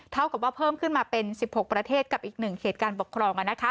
เท่ากับว่าเพิ่มขึ้นมาเป็น๑๖ประเทศกับอีก๑เขตการปกครอง